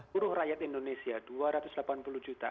buruh rakyat indonesia dua ratus delapan puluh juta